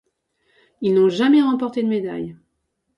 Ils n'ont jamais remporté de médaille.